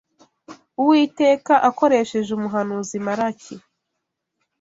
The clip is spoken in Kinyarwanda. Uwiteka, akoresheje umuhanuzi Malaki,